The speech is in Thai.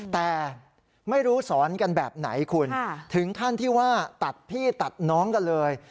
แต่ไม่รู้สอนกันแบบไหนคุณถึงขั้นที่ว่าตัดพี่ตัดน้องกันเลย